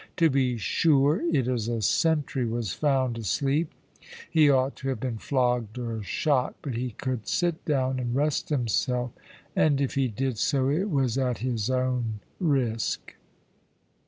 To be sure, it a sentry was found asleep he ought have been flogged or shot, but he could sit down and rest himself, and if he did so it was at his own risk.